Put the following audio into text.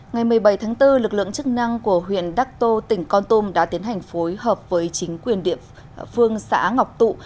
ngày một mươi bảy tháng bốn lực lượng chức năng của huyện đắc tô tỉnh con tôm đã tiến hành phối hợp với chính quyền địa phương xã ngọc tụ